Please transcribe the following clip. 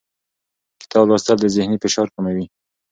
کتاب لوستل د ذهني فشار کموي